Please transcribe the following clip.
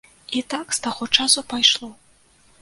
І так з таго часу пайшло.